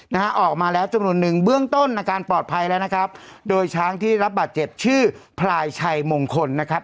นะฮะออกมาแล้วจำนวนนึงเบื้องต้นอาการปลอดภัยแล้วนะครับโดยช้างที่รับบาดเจ็บชื่อพลายชัยมงคลนะครับ